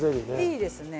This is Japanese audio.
いいですね。